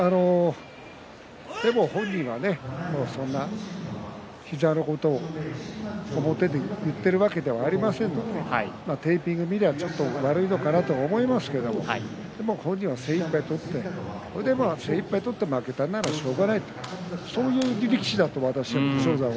本人は膝のことを表で言っているわけではありませんのでテーピングを見ればちょっと悪いのかなと思いますけれども本人、精いっぱい取って負けたならしょうがないそういう力士だと武将山は。